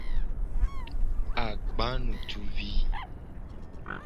Agbanutuvi.